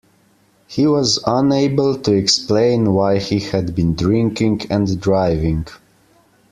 He was unable to explain why he had been drinking and driving